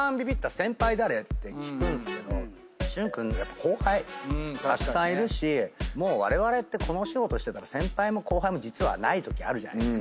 先輩誰？って聞くんすけど旬君やっぱ後輩たくさんいるしわれわれってこのお仕事してたら先輩も後輩も実はないときあるじゃないですか。